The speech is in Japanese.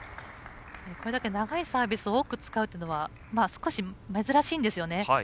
これだけ長いサーブを多く使うというのは少し、珍しいんですよね。